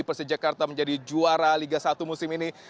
persija jakarta menjadi juara liga satu musim ini